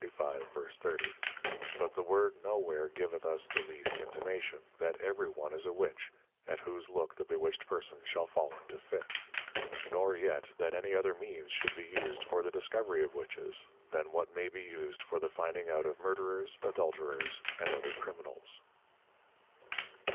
_ But the Word no where giveth us the least Intimation, that every one is a Witch, at whose look the bewitched Person shall fall into Fits; nor yet that any other means should be used for the discovery of Witches, than what may be used for the finding out of Murderers, Adulterers, and other Criminals.